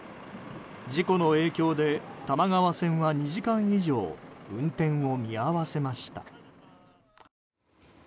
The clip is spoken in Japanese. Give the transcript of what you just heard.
事故の影響で多摩川線は２時間以上運転を見合わせました。